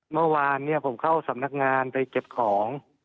เมื่อวานผมเข้าสำนักงานไปเก็บของ